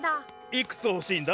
いくつ欲しいんだ？